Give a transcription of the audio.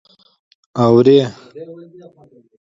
_اورې؟